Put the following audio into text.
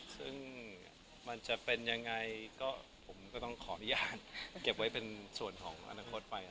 ซึ่งมันจะเป็นยังไงก็ผมก็ต้องขออนุญาตเก็บไว้เป็นส่วนของอนาคตไป